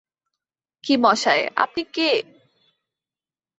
কী মশায়, আপনি কে?